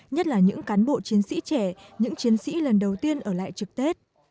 nhất là những cán bộ chiến sĩ trẻ